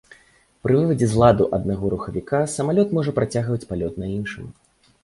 Пры вывадзе з ладу аднаго рухавіка самалёт можа працягваць палёт на іншым.